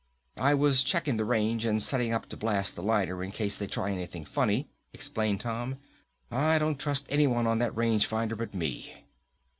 "I was checking the range and setting up to blast the liner in case they try anything funny," explained Tom. "I don't trust anyone on that range finder but me!"